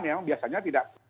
yang biasanya tidak